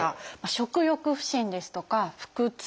食欲不振ですとか腹痛。